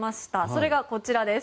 それがこちらです。